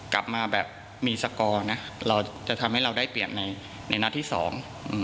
กลับมาแบบมีสกอร์นะเราจะทำให้เราได้เปรียบในในนัดที่สอง